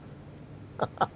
アハハハ。